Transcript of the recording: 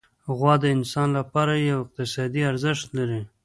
غوا د انسان لپاره یو اقتصادي ارزښت لري.